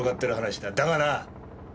だがな